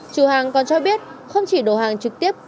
chủ hàng còn cho biết không chỉ đổ hàng trực tiếp